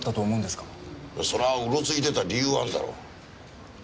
そりゃあうろついてた理由はあんだろ。